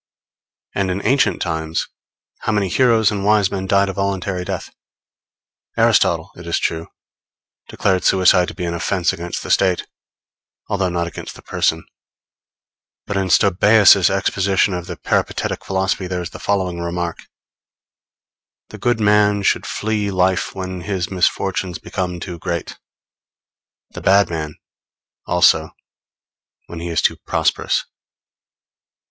And in ancient times, how many heroes and wise men died a voluntary death. Aristotle, it is true, declared suicide to be an offence against the State, although not against the person; but in Stobaeus' exposition of the Peripatetic philosophy there is the following remark: The good man should flee life when his misfortunes become too great; the bad man, also, when he is too prosperous.